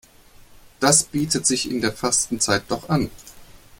Das bietet sich in der Fastenzeit doch an.